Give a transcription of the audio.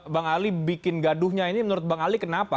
bang ali bikin gaduhnya ini menurut bang ali kenapa